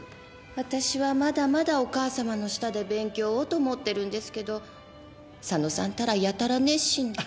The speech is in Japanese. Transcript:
私はまだまだお母様の下で勉強をと思ってるんですけど佐野さんたらやたら熱心で。